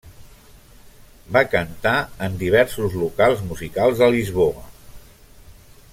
Va cantar en diversos locals musicals de Lisboa.